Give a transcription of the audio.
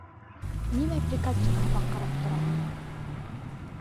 Нимә приказчик һымаҡ ҡарап тораһың!